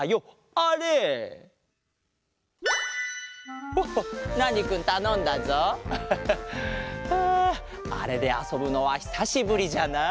ああれであそぶのはひさしぶりじゃなあ。